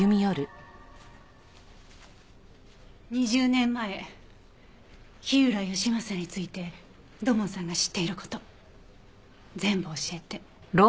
２０年前火浦義正について土門さんが知っている事全部教えて。